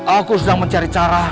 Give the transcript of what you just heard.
aku sedang mencari cara